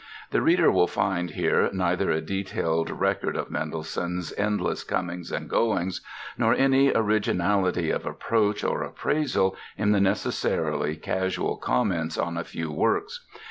The reader will find here neither a detailed record of Mendelssohn's endless comings and goings nor any originality of approach or appraisal in the necessarily casual comments on a few works.